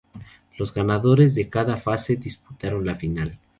Los ganadores de cada fase disputaron la final.